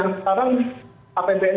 dan itu sudah beberapa kali dalam pidato